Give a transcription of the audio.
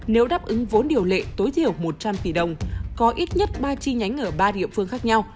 nếu đáp ứng vốn điều lệ tối thiểu một trăm linh tỷ đồng có ít nhất ba chi nhánh ở ba địa phương khác nhau